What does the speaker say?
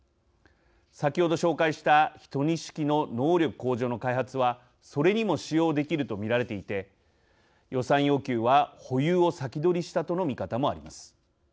先ほど紹介した１２式の能力向上の開発はそれにも使用できると見られていて予算要求は保有を先取りしたとの見方もあります。